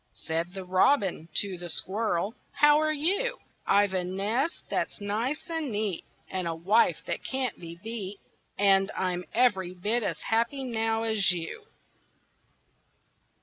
Said the Robin to the Squirrel, "How are you?" "I've a nest that's nice and neat, And a wife that can't be beat, And I'm every bit as happy now as you."